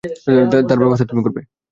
তার ব্যবস্থা তুমি করবে।